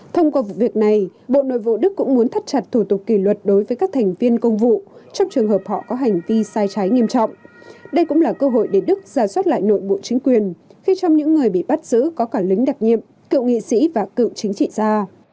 thông qua vụ việc này bộ nội vụ đức cũng muốn thắt chặt thủ tục kỷ luật đối với các thành viên công vụ trong trường hợp họ có hành vi sai trái nghiêm trọng đây cũng là cơ hội để đức ra soát lại nội bộ chính quyền khi trong những người bị bắt giữ có cả lính đặc nhiệm cựu nghị sĩ và cựu chính trị gia